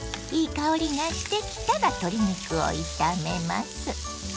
香りがしてきたら鶏肉を炒めます。